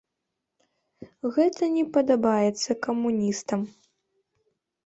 Гэта не падабаецца камуністам.